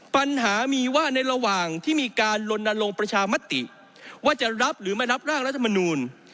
ปัญหามีว่าในระหว่างที่มีการลนลงประชามติว่าจะรับหรือไม่รับร่างรัฐมนูล